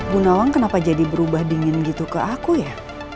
bu nawang kenapa jadi berubah dingin gitu ke aku ya